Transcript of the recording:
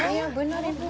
iya benar ibu